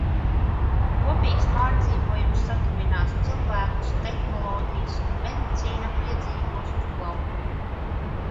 Kopīgs pārdzīvojums satuvinās cilvēkus, tehnoloģijas un medicīna piedzīvos uzplaukumu.